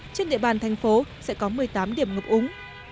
trên địa bàn thành phố sẽ có một mươi tám điểm ngập úng